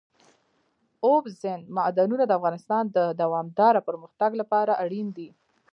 اوبزین معدنونه د افغانستان د دوامداره پرمختګ لپاره اړین دي.